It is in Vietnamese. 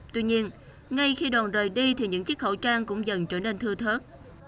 tuy nhiên ngay khi đoàn rời đi thì những chiếc khẩu trang cũng dần trở nên thưa thớt